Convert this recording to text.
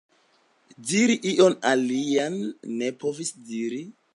Diri ion alian ne povis diri.